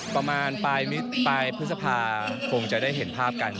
ประมาณปลายพฤษภาคงจะได้เห็นภาพกัน